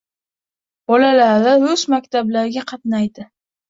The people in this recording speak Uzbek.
Bolalari rus maktablarga qatnaydi.